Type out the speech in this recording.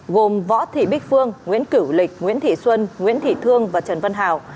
gồm võ thị bích phương nguyễn cửu lịch nguyễn thị xuân nguyễn thị thương và trần vân hào